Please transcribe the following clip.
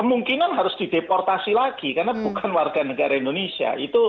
ini kan harus dideportasi lagi karena bukan warganegara indonesia